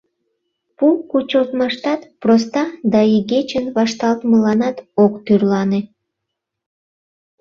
Пу кучылтмаштат проста да игечын вашталтмыланат ок тӱрлане.